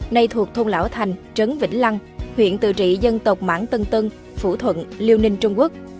nay thuộc thôn lão thành trấn vĩnh lăng huyện tự trị dân tộc mãng tân tân phủ thuận liêu ninh trung quốc